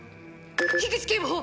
口警部補！